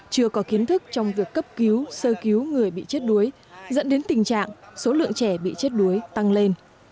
chưa có kiến thức trong việc cấp cứu sơ cứu người bị chết đuối dẫn đến tình trạng số lượng trẻ bị chết đuối tăng lên